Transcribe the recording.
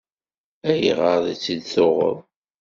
Ayɣer i tt-id-tuɣeḍ?